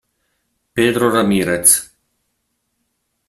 Pedro Ramírez